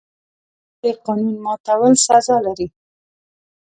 د قانون ماتول سزا لري.